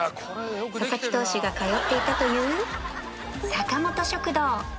佐々木投手が通っていたという